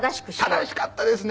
正しかったですね。